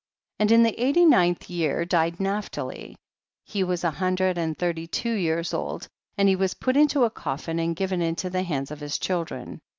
And in the eighty ninth year died Naphtali, he was a hundred and thirty two years old, and lie was put into a cotRri and given into the liands of his children.